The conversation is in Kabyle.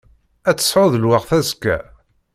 Ad tesɛuḍ lweqt azekka?